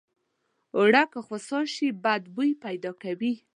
اوړه که خوسا شي بد بوي پیدا کوي